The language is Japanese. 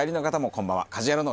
こんばんは。